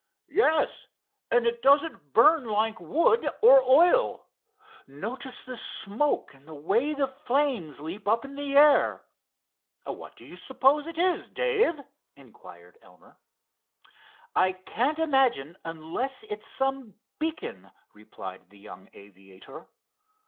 "Yes, and it doesn't burn like wood or oil. Notice the smoke and the way the flames leap up in the air? What do you suppose it is, Dave?" inquired Elmer. "I can't imagine, unless it is some beacon," replied the young aviator.